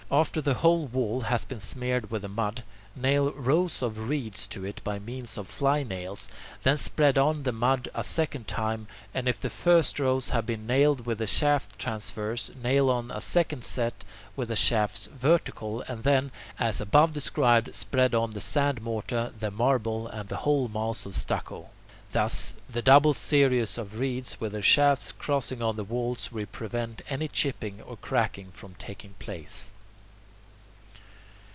After the whole wall has been smeared with the mud, nail rows of reeds to it by means of "fly nails," then spread on the mud a second time, and, if the first rows have been nailed with the shafts transverse, nail on a second set with the shafts vertical, and then, as above described, spread on the sand mortar, the marble, and the whole mass of stucco. Thus, the double series of reeds with their shafts crossing on the walls will prevent any chipping or cracking from taking place.